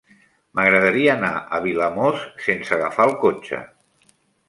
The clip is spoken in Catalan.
M'agradaria anar a Vilamòs sense agafar el cotxe.